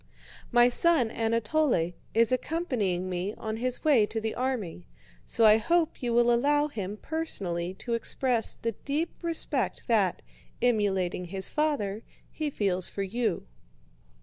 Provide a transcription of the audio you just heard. "My son Anatole is accompanying me on his way to the army, so I hope you will allow him personally to express the deep respect that, emulating his father, he feels for you."